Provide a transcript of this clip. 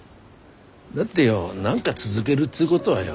だってよ何が続げるっつうごどはよ